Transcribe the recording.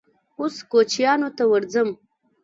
_اوس کوچيانو ته ورځم.